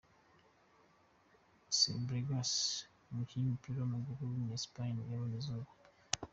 Cesc Fàbregas, umukinnyi w’umupira w’amaguru wo muriEspagne yabonye izuba.